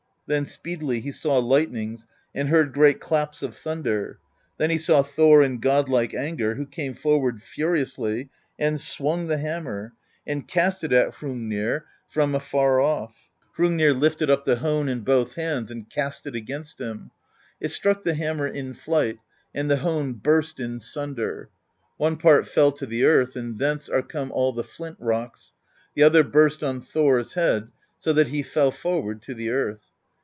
Then speedily he saw lightnings and heard great claps of thunder ; then he saw Thor in God like anger, who came forward furiously and swung the hammer and cast it at Hrungnir ii8 PROSE EDDA from afar off. Hrungnir lifted up the hone in both hands and cast it against him; it struck the hammer in flight, and the hone burst in sunder: one part fell to the earth, and thence are come all the flint rocks; the other burst onThor's head, so that he fell forward to the earth.